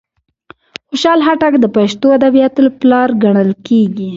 خوشال خټک د پښتو ادبیاتوپلار کڼل کیږي.